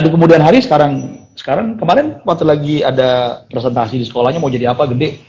kemudian hari sekarang sekarang kemarin waktu lagi ada presentasi di sekolahnya mau jadi apa gede